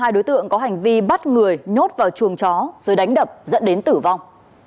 hai đối tượng có hành vi bắt người nhốt vào chuồng chó rồi đánh đập dẫn đến tử vong